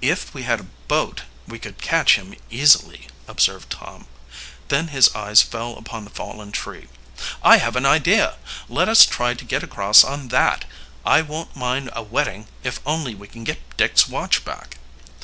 "If we had a boat we could catch him easily," observed Tom. Then his eyes fell upon the fallen tree. "I have an idea! Let us try to get across on that! I won't mind a wetting if only we can get Dick's watch back."